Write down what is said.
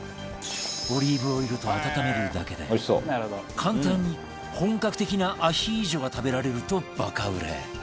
オリーブオイルと温めるだけで簡単に本格的なアヒージョが食べられるとバカ売れ